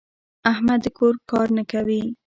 احمد د کور کار نه کوي.